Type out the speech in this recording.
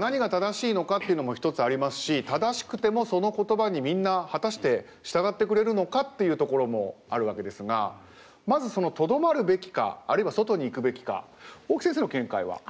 何が正しいのかっていうのも一つありますし正しくてもその言葉にみんな果たして従ってくれるのかっていうところもあるわけですがまずとどまるべきかあるいは外に行くべきか大木先生の見解は？